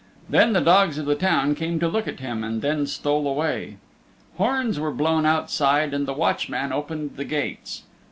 Then the dogs of the town came down to look at him, and then stole away. Horns were blown outside, and the watchman opened the gates.